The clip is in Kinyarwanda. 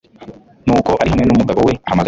nuko ari hamwe n umugabo we ahamagara